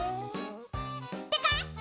ペカ！